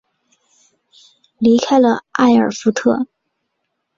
离开了艾尔福特。